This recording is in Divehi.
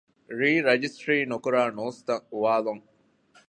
ރީ ރަޖިސްޓަރީ ނުކުރާ ނޫސްތައް އުވާލުން